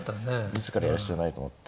自らやる必要ないと思って。